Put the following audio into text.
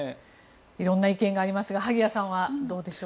色んな考え方がありますが萩谷さんはどうでしょう？